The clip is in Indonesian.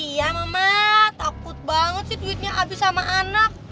iya mama takut banget sih tweetnya abis sama anak